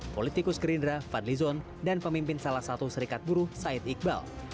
politikus gerindra fadlizon dan pemimpin salah satu serikat buruh said iqbal